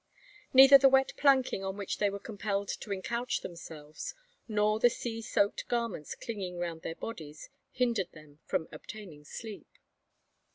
Neither the wet planking on which they were compelled to encouch themselves, nor the sea soaked garments clinging round their bodies, hindered them from obtaining sleep.